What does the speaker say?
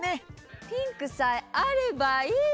ピンクさえあればいい！